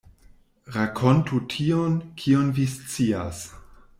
Rakontu tion, kion vi scias.